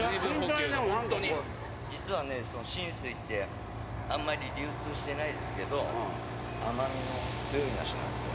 実はね、新水って、あんまり流通してないですけど、甘みの強い梨なんですよ。